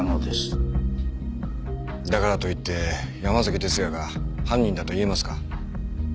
だからといって山崎哲也が犯人だと言えますか？